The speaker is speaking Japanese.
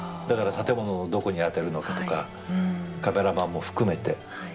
だから建物のどこに当てるのかとかカメラマンも含めて。